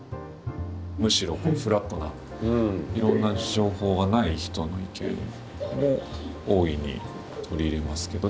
むしろフラットないろんな情報がない人の意見も大いに取り入れますけど。